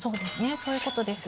そういうことです。